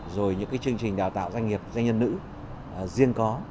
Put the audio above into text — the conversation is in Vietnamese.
rồi những cái chương trình đào tạo doanh nghiệp doanh nhân nữ riêng có